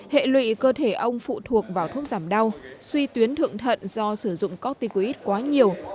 hệ lụy cơ thể ông phụ thuộc vào thuốc giảm đau suy tuyến thượng thận do sử dụng corticoid quá nhiều